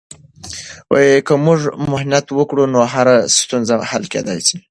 که موږ محنت وکړو، نو هره ستونزه حل کیدای سي.